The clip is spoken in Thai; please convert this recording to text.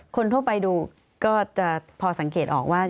คนทั่วไปดูก็จะพอสังเกตออกว่า